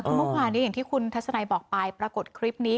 คือเมื่อวานนี้อย่างที่คุณทัศนัยบอกไปปรากฏคลิปนี้